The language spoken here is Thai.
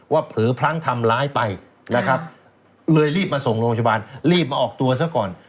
เผลอพลั้งทำร้ายไปนะครับเลยรีบมาส่งโรงพยาบาลรีบมาออกตัวซะก่อน